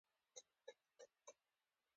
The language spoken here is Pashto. د پیرودونکي اړتیا باید په دقت واورېدل شي.